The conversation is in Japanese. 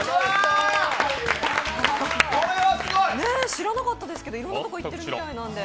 知らなかったですけどいろんなところに行ってるみたいで。